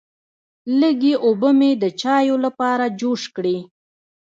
لږې اوبه مې د چایو لپاره جوش کړې.